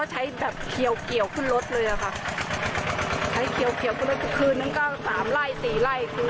หรอแล้วเคยจับได้ไหม